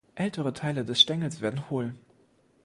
Ältere Teile des Stängels werden hohl.